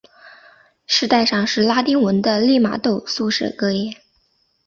饰带上是拉丁文的利玛窦宿舍格言。